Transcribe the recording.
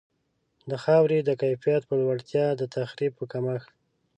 د خاورې د کیفیت په لوړتیا، د تخریب په کمښت.